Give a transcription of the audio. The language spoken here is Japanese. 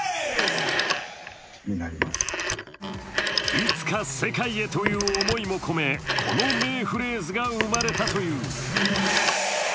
いつか世界へという思いも込めこの名フレーズが生まれたという。